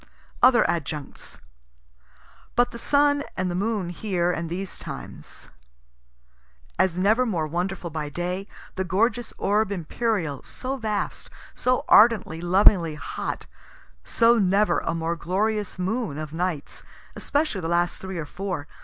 Other adjuncts. But the sun and the moon here and these times. As never more wonderful by day, the gorgeous orb imperial, so vast, so ardently, lovingly hot so never a more glorious moon of nights, especially the last three or four.